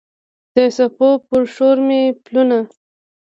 د څپو پر شور مې پلونه